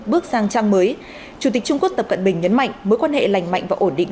và trong hội đàm mới chủ tịch trung quốc tập cận bình nhấn mạnh mối quan hệ lành mạnh và ổn định